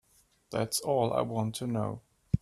That's all I want to know.